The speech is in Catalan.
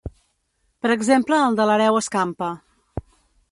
Per exemple el de l'hereu escampa.